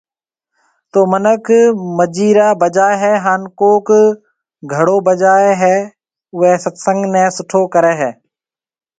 تو منک مجيران بجائي ھيَََ ھان ڪوڪ گھڙو بجائي اوئي ست سنگ ني سٺو ڪري ھيَََ